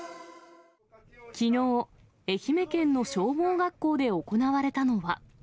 きのう、愛媛県の消防学校で行われたのは。